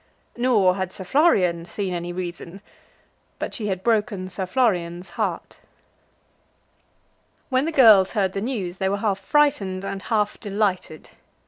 Nor had Sir Florian seen any reason; but she had broken Sir Florian's heart. When the girls heard the news, they were half frightened and half delighted.